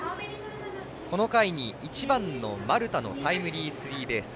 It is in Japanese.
この回に１番の丸田のタイムリースリーベース。